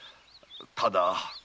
ただ。